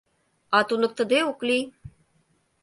А туныктыде ок лий.